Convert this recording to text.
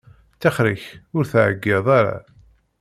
Tixeṛ-ik ur ttɛeyyiḍ ara.